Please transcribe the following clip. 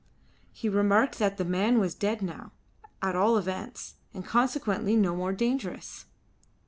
He remarked that the man was dead now at all events, and consequently no more dangerous.